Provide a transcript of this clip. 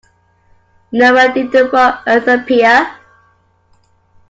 Nowhere did the raw earth appear.